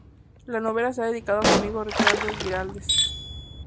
La novela está dedicada a su amigo Ricardo Güiraldes.